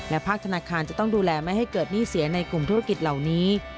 ภาคธนาคารจะต้องดูแลไม่ให้เกิดหนี้เสียในกลุ่มธุรกิจเหล่านี้